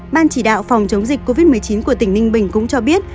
ban chỉ đạo phòng chống dịch covid một mươi chín của tỉnh ninh bình cũng cho biết